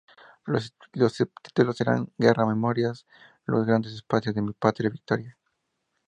Los subtítulos eran: ""Guerra"", ""Memorias"", ""Los grandes espacios de mi patria"", ""Victoria"".